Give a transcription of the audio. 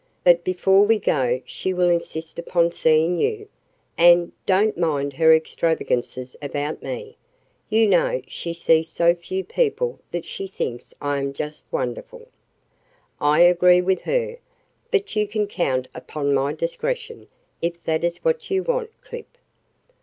But before we go she will insist upon seeing you. And don't mind her extravagances about me. You know, she sees so few people that she thinks I am just wonderful." "I agree with her. But you can count upon my discretion, if that is what you want, Clip."